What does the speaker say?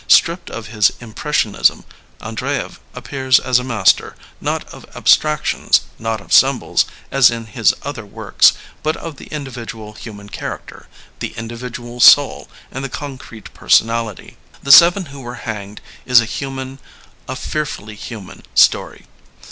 Stripped of his im pressionism, Andreyev appears as a master, not of abstractions, not of symbols, as in his other works, but of the individual human character, the individual soul and the concrete personality. The Seven Who Were Hanged is a human, a fearfully human story.